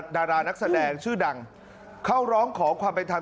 ดารานักแสดงชื่อดังเขาร้องของความแบ่งทำ